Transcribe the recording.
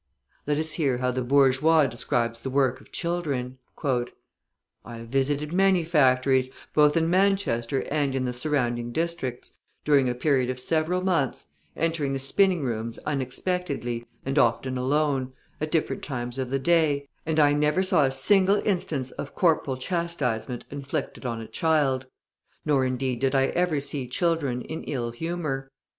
Let us hear how the bourgeois describes the work of children: {168c} "I have visited many factories, both in Manchester and in the surrounding districts, during a period of several months, entering the spinning rooms unexpectedly, and often alone, at different times of the day, and I never saw a single instance of corporal chastisement inflicted on a child; nor, indeed, did I ever see children in ill humour.